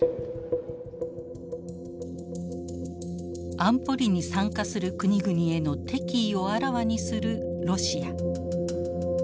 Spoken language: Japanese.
安保理に参加する国々への敵意をあらわにするロシア。